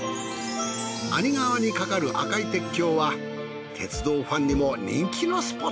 阿仁川に架かる赤い鉄橋は鉄道ファンにも人気のスポット。